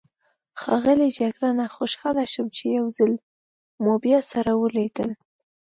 ښاغلی جګړنه، خوشحاله شوم چې یو ځلي مو بیا سره ولیدل.